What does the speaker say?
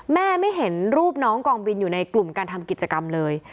แม่ไม่เห็นรูปน้องกองบินอยู่ในกลุ่มการทำกิจกรรมเลย